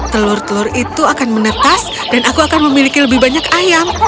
telur telur itu akan menetas dan aku akan memiliki lebih banyak ayam